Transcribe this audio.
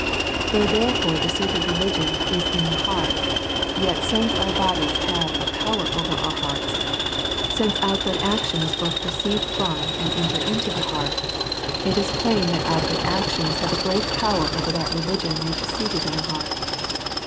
Though, therefore, the seat of religion is in the heart, yet since our bodies have a power over our hearts, since outward actions both proceed from, and enter into the heart, it is plain, that outward actions have a great power over that religion which is seated in the heart.